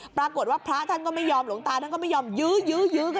ปรากฏว่าพระท่านก็ไม่ยอมหลวงตาท่านก็ไม่ยอมยื้อยื้อกัน